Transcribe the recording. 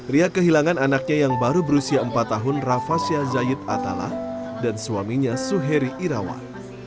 ria kehilangan anaknya yang baru berusia empat tahun rafasya zayut atala dan suaminya suheri irawan